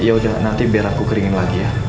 yaudah nanti biar aku keringin lagi ya